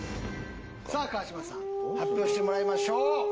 さあ川島さん発表してもらいましょう。